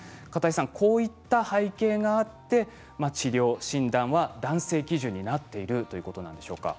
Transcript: こういった背景があって治療、診断は男性基準になっているということなんでしょうか。